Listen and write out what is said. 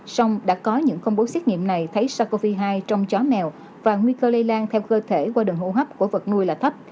sông đã có những công bố xét nghiệm này thấy sars cov hai trong chó mèo và nguy cơ lây lan theo cơ thể qua đường hô hấp của vật nuôi là thấp